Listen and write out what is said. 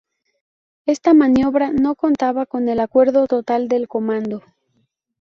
Esta maniobra no contaba con el acuerdo total del comando.